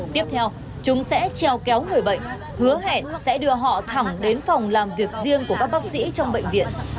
tiếp theo chúng sẽ treo kéo người bệnh hứa hẹn sẽ đưa họ thẳng đến phòng làm việc riêng của các bác sĩ trong bệnh viện